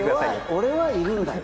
俺はいるんだよ。